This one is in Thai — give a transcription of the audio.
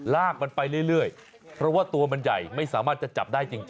ลากมันไปเรื่อยเพราะว่าตัวมันใหญ่ไม่สามารถจะจับได้จริง